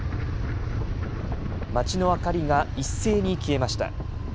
街の明かりが一斉に消えました。